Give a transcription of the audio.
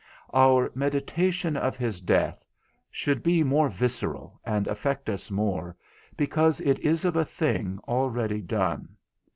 Our meditation of his death should be more visceral, and affect us more, because it is of a thing already done.